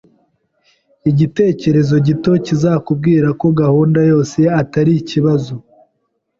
Igitekerezo gito kizakubwira ko gahunda yose itari ikibazo